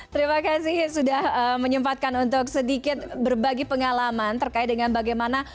terima kasih sudah menyempatkan untuk sedikit berbagi pengalaman terkait dengan bagaimana